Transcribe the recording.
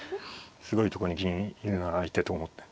すごいとこに銀いるな相手と思って。